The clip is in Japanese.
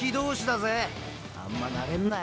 あんま馴れんなよ